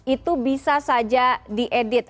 itu bisa saja diedit